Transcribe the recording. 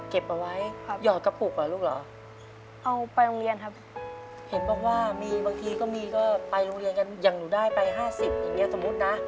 ก็ให้ยายครึ่งหนึ่งผมครึ่งหนึ่งครับ